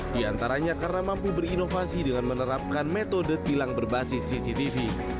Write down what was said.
di antaranya karena mampu berinovasi dengan menerapkan metode tilang berbasis cctv